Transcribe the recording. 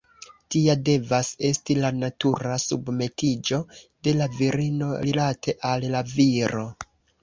Tia devas esti la natura submetiĝo de la virino rilate al la viro.